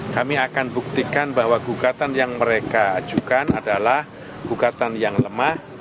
kami akan buktikan bahwa gugatan yang mereka ajukan adalah gugatan yang lemah